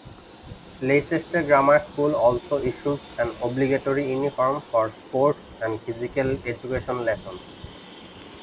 Leicester Grammar School also issues an obligatory uniform for sports and physical education lessons.